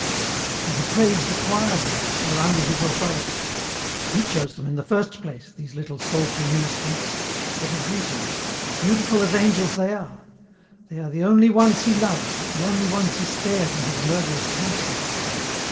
"He depraves the choir boys who are under his authority. He chose them in the first place, these little psaltry ministrants, for their beauty, and 'beautiful as angels' they are. They are the only ones he loves, the only ones he spares in his murderous transports.